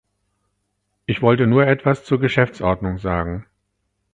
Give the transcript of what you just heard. Ich wollte nur etwas zur Geschäftsordnung sagen.